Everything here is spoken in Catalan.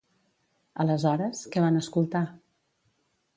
Aleshores, què van escoltar?